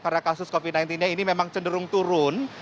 karena kasus covid sembilan belas ini memang cenderung turun